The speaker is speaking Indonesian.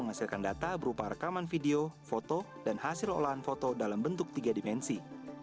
menghasilkan data berupa rekaman video foto dan hasil olahan foto dalam bentuk tiga dimensi